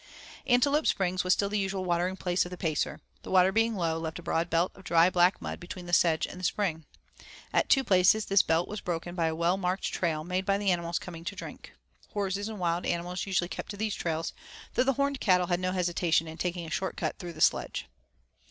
Antelope Springs was still the usual watering place of the Pacer. The water being low left a broad belt of dry black mud between the sedge and the spring. At two places this belt was broken by a well marked trail made by the animals coming to drink. Horses and wild animals usually kept to these trails, though the horned cattle had no hesitation in taking a short cut through the sedge.